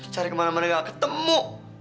cari kemana mana gak ketemu